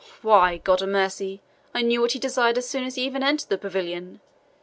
"Why, God a mercy, I knew what he desired as soon as ever he entered the pavilion!